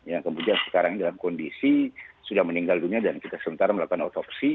yang kemudian sekarang ini dalam kondisi sudah meninggal dunia dan kita sementara melakukan otopsi